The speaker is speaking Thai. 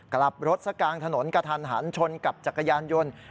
กลับรถซะกลางถนนกระทันหันชนกับจักรยานยนต์